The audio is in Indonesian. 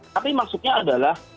tapi maksudnya adalah